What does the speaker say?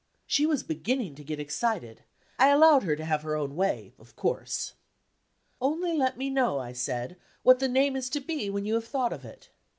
She was beginning to get excited; I allowed her to have her own way, of course. 'Only let me know,' I said, 'what the name is to be when you have thought of it.